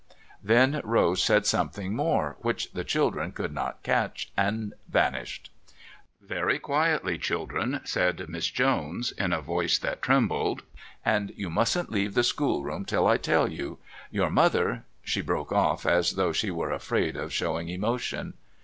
Then Rose said something more, which the children could not catch, and vanished. "Very quietly, children," said Miss Jones, in a voice that trembled; "and you mustn't leave the schoolroom till I tell you. Your mother " She broke off as though she were afraid of showing emotion.